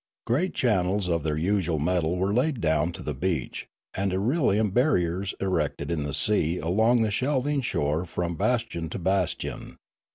Great channels of their usual metal were laid down to the beach, and irelium barriers erected in the sea along the shelving shore from bas tion to bastion.